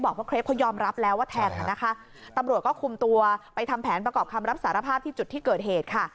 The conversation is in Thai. บอกว่าเครปเขายอมรับแล้วว่าแทงอ่ะนะคะตำรวจก็คุมตัวไปทำแผนประกอบคำรับสารภาพที่จุดที่เกิดเหตุค่ะ